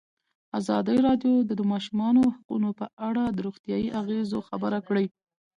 ازادي راډیو د د ماشومانو حقونه په اړه د روغتیایي اغېزو خبره کړې.